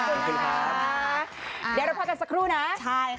เดี๋ยวเราพักกันสักครู่นะ